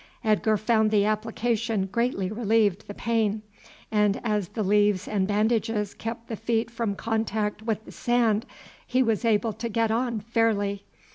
Edgar found the application greatly relieved the pain, and as the leaves and bandages kept the feet from contact with the sand, he was able to get on fairly.